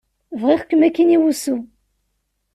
Bɣiɣ-kem akkin i wussu.